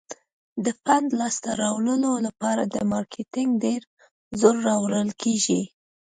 د فنډ د لاس ته راوړلو لپاره په مارکیټینګ ډیر زور راوړل کیږي.